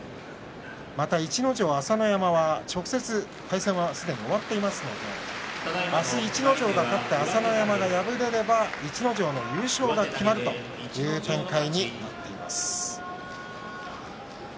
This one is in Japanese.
逸ノ城、朝乃山は直接対戦がすでに終わっていますので明日、逸ノ城が勝って朝乃山が敗れれば逸ノ城の優勝が決まるという展開になっています。